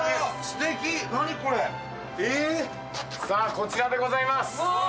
こちらでございます。